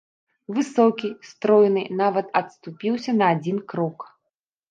Высокі, стройны нават адступіўся на адзін крок.